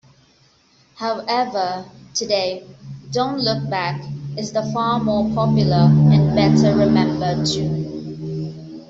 However, today, "Don't Look Back" is the far more popular and better-remembered tune.